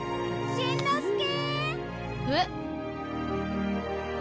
しんのすけ。